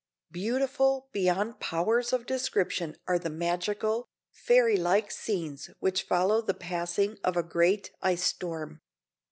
Beautiful beyond powers of description are the magical, fairy like scenes which follow the passing of a great ice storm.